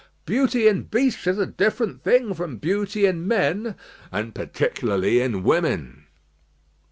"Beauty in beasts is a different thing from beauty in men." "And particularly in women."